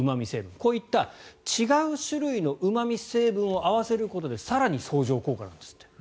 こういった違う種類のうま味成分を合わせることで更に相乗効果なんですって。